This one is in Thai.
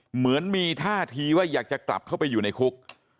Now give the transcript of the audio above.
เหมือนมีท่าทีว่าอยากจะกลับเข้าไปอยู่ในคุก